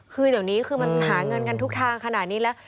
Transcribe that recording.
คือตอนนี้ที่มันหาเงินกันทุกท่างขนาดนี้แหละ